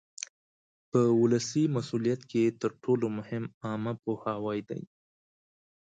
په ولسي مسؤلیت کې تر ټولو مهم عامه پوهاوی دی.